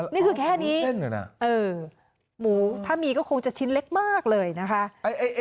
นี่คือแค่นี้อ๋อผัดวุ้นเส้นเหรอนะเออหมูถ้ามีก็คงจะชิ้นเล็กมากเลยนะคะ